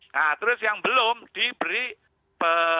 nah terus yang belum diberi apa namanya sukses